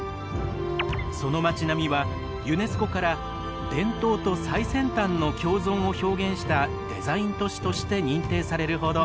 その町並みはユネスコから伝統と最先端の共存を表現したデザイン都市として認定されるほど。